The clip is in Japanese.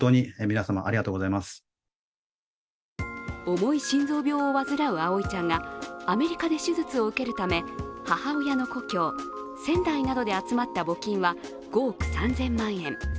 重い心臓病を患う葵ちゃんがアメリカで手術を受けるため、母親の故郷・仙台などで集まった募金は５億３０００万円。